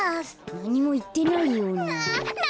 なにもいってないような。